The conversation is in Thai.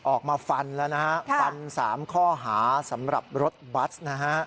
ออกมาฟันแล้วนะฮะฟัน๓ข้อหาสำหรับรถบัสนะฮะ